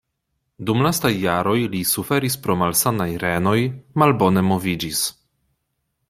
Dum lastaj jaroj li suferis pro malsanaj renoj, malbone moviĝis.